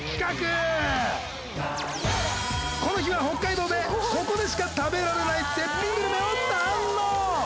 この日は北海道でここでしか食べられない絶品グルメを堪能。